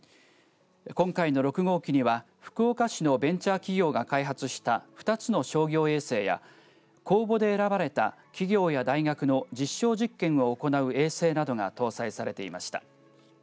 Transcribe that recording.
今回の６号機には福岡市のベンチャー企業が開発した、２つの商業衛星や公募で選ばれた企業や大学の実証実験を行う衛星などが搭載されていました。